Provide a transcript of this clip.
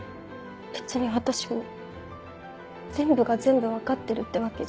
別に私も全部が全部分かってるってわけじゃ。